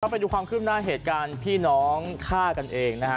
ไปดูความขึ้นหน้าเหตุการณ์พี่น้องฆ่ากันเองนะฮะ